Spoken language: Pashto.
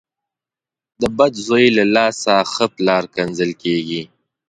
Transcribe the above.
د بد زوی له لاسه ښه پلار کنځل کېږي.